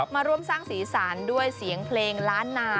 มาร่วมสร้างสีสันด้วยเสียงเพลงล้านนา